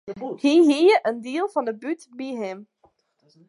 Hy hie in diel fan de bút by him.